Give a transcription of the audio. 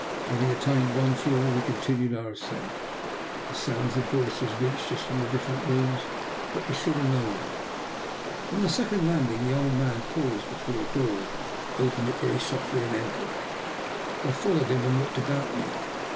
Having attained one floor we continued our ascent; the sounds of voices reached us from the different rooms, but we saw no one. On the second landing the old man paused before a door, opened it very softly, and entered. I followed him, and looked about me.